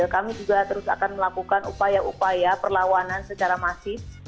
kami juga terus akan melakukan upaya upaya perlawanan secara masif